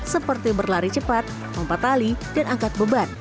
seperti berlari cepat mempatali dan angkat beban